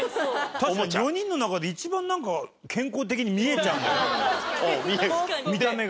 確かに４人の中で一番なんか健康的に見えちゃうんだよ見た目が。